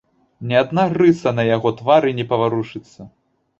Ні адна рыса на яго твары не паварушыцца.